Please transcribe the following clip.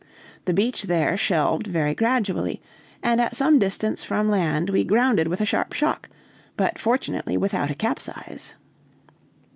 The beach there shelved very gradually, and at some distance from land we grounded with a sharp shock, but fortunately without a capsize.